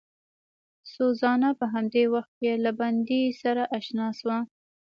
سوزانا په همدې وخت کې له بندي سره اشنا شوه.